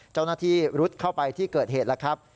เจ้าหน้าที่รุดเข้าไปที่เกิดเหตุแล้วครับ